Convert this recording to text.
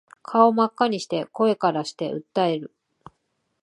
顔真っ赤にして声からして訴える